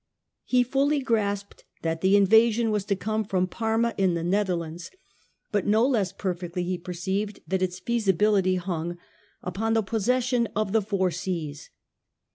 He fully grasped that the invasion was to come from Parma in the Nether lands ; but no less perfectly he perceived that its feasi bility hung upon the possession of the four seas.